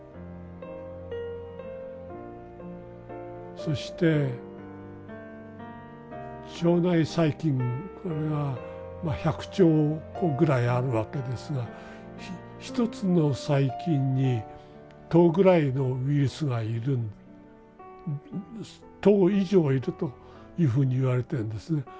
そして腸内細菌これがまあ１００兆個ぐらいあるわけですが１つの細菌に１０ぐらいのウイルスがいる１０以上いるというふうにいわれてんですね。